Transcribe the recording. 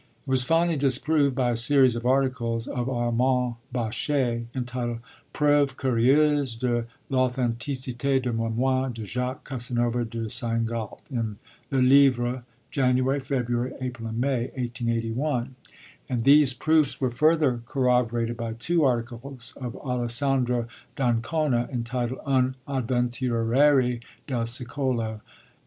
It was finally disproved by a series of articles of Armand Baschet, entitled Preuves curieuses de l'authenticité des Mémoires de Jacques Casanova de Seingalt, in Le Livre, January, February, April and May, 1881; and these proofs were further corroborated by two articles of Alessandro d'Ancona, entitled _Un Avventuriere del Secolo XVIII.